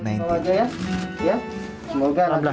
semoga ya semoga